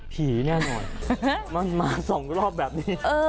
ผีแน่นอนมันมา๒รอบแบบนี้